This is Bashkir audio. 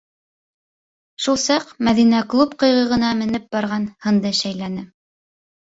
Шул саҡ Мәҙинә клуб ҡыйығына менеп барған һынды шәйләне.